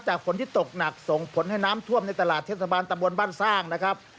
ฝนที่ตกหนักส่งผลให้น้ำท่วมในตลาดเทศบาลตะบนบ้านสร้างนะครับ